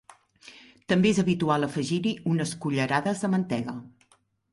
També és habitual afegir-hi unes cullerades de mantega.